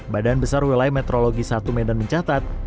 badan besar wilayah meteorologi satu medan mencatat